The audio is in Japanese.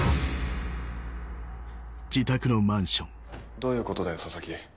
どういうことだよ佐々木。